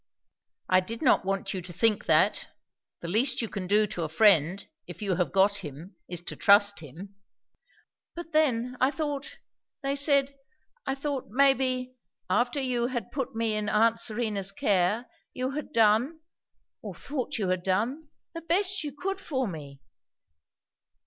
"I did not want you to think that. The least you can do to a friend, if you have got him, is to trust him." "But then, I thought they said I thought, maybe, after you had put me in aunt Serena's care, you had done or thought you had done the best you could for me."